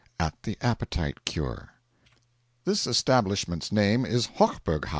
M.T. AT THE APPETITE CURE This establishment's name is Hochberghaus.